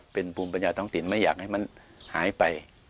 เป็นภูมิปัญญาท้องถิ่นไม่อยากให้มันหายไป